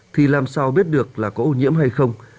thì làm sao biết được là có ô nhiễm hay không